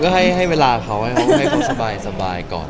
ก็ให้เวลาเขาให้เขาให้เขาสบายก่อน